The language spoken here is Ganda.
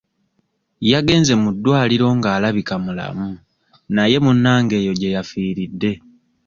Yagenze mu ddwaliro nga alabika mulamu naye munnange eyo gye yafiiridde.